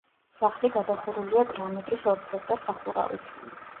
სახლი გადახურულია კრამიტის ორფერდა სახურავით.